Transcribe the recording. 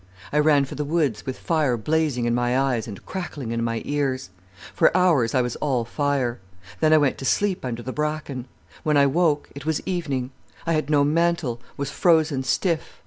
I ran for the woods, with fire blazing in my eyes and crackling in my ears. For hours I was all fire. Then I went to sleep under the bracken. When I woke it was evening. I had no mantle, was frozen stiff.